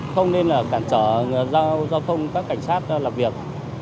không nên là cản trở giao giao thông các cảnh sát làm việc